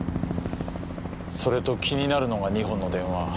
それと気になるのが２本の電話。